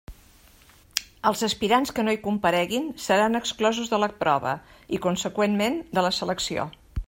Els aspirants que no hi compareguin seran exclosos de la prova i, conseqüentment, de la selecció.